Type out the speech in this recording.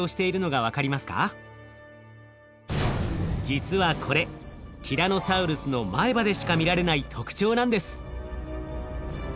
実はこれティラノサウルスの前歯でしか見られない特徴なんです。